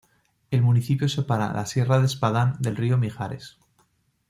El municipio separa la Sierra de Espadán del río Mijares.